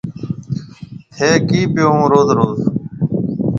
ٿَي ڪِي پيو هون روز روز